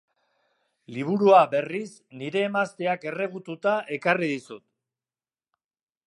Liburua, berriz, nire emazteak erregututa ekarri dizut.